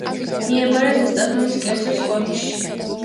მიაბარეს ზესტაფონის კერძო სკოლაში.